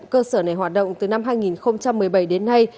cơ sở này hoạt động từ năm hai nghìn một mươi bảy đến nay